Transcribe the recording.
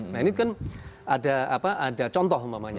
nah ini kan ada contoh umpamanya